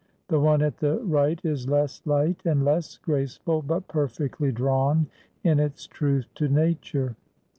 The one at the right is less light and less graceful, but perfectly drawn in its truth to nature.